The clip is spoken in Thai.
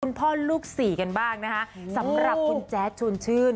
พ่อลูกสี่กันบ้างนะคะสำหรับคุณแจ๊ดชวนชื่น